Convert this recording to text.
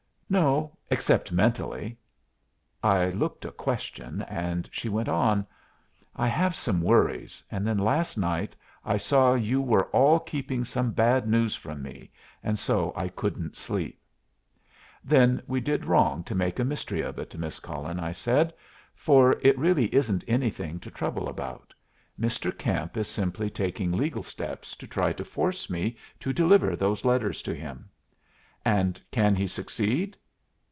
"No, except mentally." I looked a question, and she went on: "I have some worries, and then last night I saw you were all keeping some bad news from me, and so I couldn't sleep." "Then we did wrong to make a mystery of it, Miss Cullen," I said, "for it really isn't anything to trouble about. Mr. Camp is simply taking legal steps to try to force me to deliver those letters to him." "And can he succeed?"